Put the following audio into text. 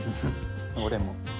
俺も。